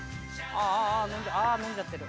ああ飲んじゃってる。